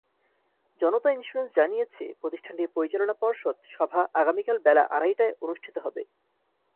জনতা Insurance জানিয়েছে প্রতিষ্ঠানটির পরিচালনা পর্ষদ সভা আগামীকাল বেলা আড়াইটায় অনুষ্ঠিত হবে।